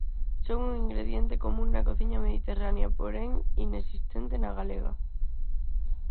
Son un ingrediente común na cociña mediterránea porén inexistente na galega.